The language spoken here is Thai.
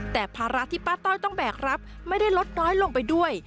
แต่ภาระที่ป้าต้อยต้องแบกรับไม่ได้ลดน้อยลงไปด้วย